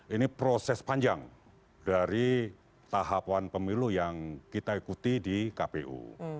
ini proses panjang dari tahapan pemilu yang kita ikuti di kpu